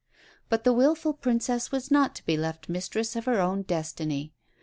But the wilful Princess was not to be left mistress of her own destiny.